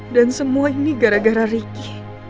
dan semua ini gara gara riki